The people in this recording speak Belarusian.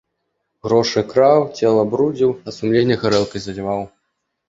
Грошы краў, цела брудзіў, а сумленне гарэлкаю заліваў.